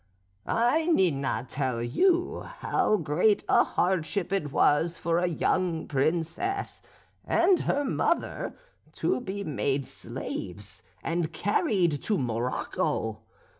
"I need not tell you how great a hardship it was for a young princess and her mother to be made slaves and carried to Morocco.